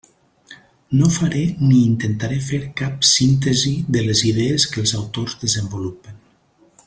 No faré ni intentaré fer cap «síntesi» de les idees que els autors desenvolupen.